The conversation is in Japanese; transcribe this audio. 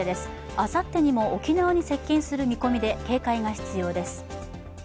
あさってにも沖縄に接近する見込みで警戒が必要です。